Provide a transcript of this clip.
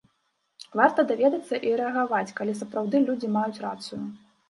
Варта даведацца і рэагаваць, калі сапраўды людзі маюць рацыю.